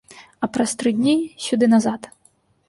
А праз тры дні сюды назад!